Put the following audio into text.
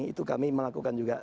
itu kami melakukan juga